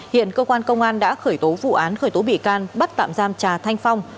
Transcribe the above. hiện cơ quan công an đã khởi tố vụ án khởi tố bị can bắt tạm giam trà thanh phong